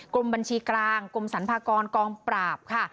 กรมบัญชีกลางกรมสรรพากรกองปราบค่ะ